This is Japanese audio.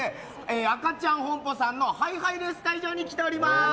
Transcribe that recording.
アカチャンホンポさんのハイハイレース会場に来ております。